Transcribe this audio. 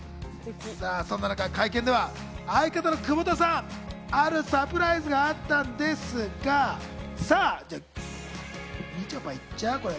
そんな中、会見では相方の久保田さん、あるサプライズがあったんですが、みちょぱ、いっちゃう？